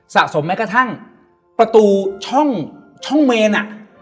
สะสมแม้กระทั่งประตูช่องเมน